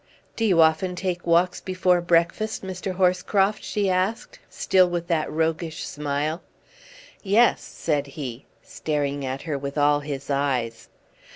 "Do you often take walks before breakfast, Mr. Horscroft?" she asked, still with that roguish smile. "Yes," said he, staring at her with all his eyes.